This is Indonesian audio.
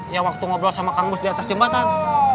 yang waktu ngobrol sama kang mus di atas jembatan